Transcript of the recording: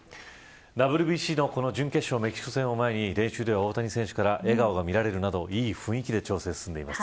ＷＢＣの準決勝のメキシコ戦を前に練習では大谷選手から笑顔が見られるなどいい雰囲気で調整が進んでいます。